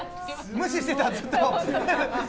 無視してたずっと。